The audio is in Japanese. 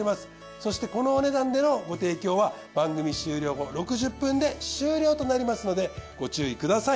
そしてこのお値段でのご提供は番組終了後６０分で終了となりますのでご注意ください。